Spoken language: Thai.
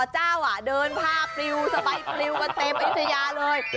เจ้าเดินผ้าปลิวสบายปลิวกันเต็มอายุทยาเลย